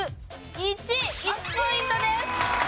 １ポイントです。